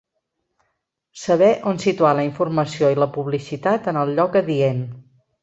Saber on situar la informació i la publicitat en el lloc adient.